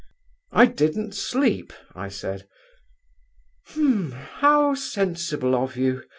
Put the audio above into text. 'I didn't sleep,' I said. 'H'm! how sensible of you.